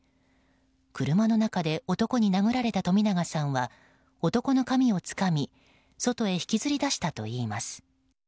車の中で男に殴られた冨永さんは男の髪をつかみ外へ引きずり出したといいます。